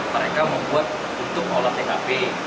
mereka membuat untuk olah tkp